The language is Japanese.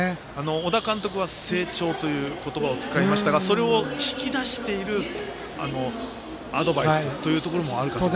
小田監督は成長という言葉を使いましたがそれを引き出しているアドバイスというところもあるかと思います。